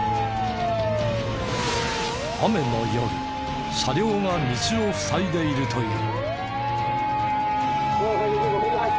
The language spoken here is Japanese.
雨の夜車両が道をふさいでいるという。